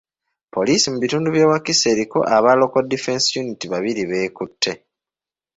Poliisi mu bitundu by'e Wakiso eriko aba Local Defence Unit babiri b'ekutte.